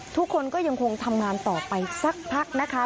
ทุกคนก็ยังคงทำงานต่อไปสักพักนะคะ